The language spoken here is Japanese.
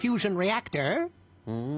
うん。